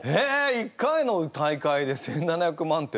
１回の大会で１，７００万って。